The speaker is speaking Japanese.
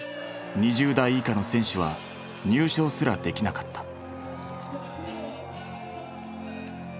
２０代以下の選手は入賞すらできなかった。